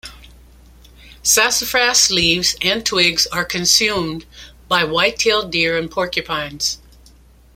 Sassafras leaves and twigs are consumed by white-tailed deer and porcupines.